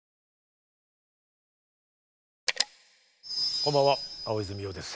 こんばんは大泉洋です。